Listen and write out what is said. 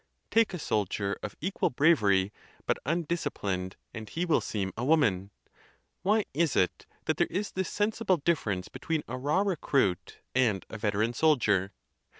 Take a soldier of equal bravery, but undisciplined, and he will seem a woman. Why is it that there is this sensible difference between a raw recruit and a veteran soldier?